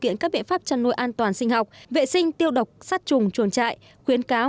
kiện các biện pháp chăn nuôi an toàn sinh học vệ sinh tiêu độc sát trùng chuồng trại khuyến cáo